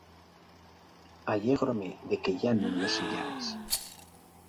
Allégrome de que yá nun lo seyáis.